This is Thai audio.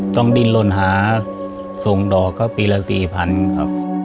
ต้องดินหล่นหาส่งดอกก็ปีละ๔๐๐๐ครับ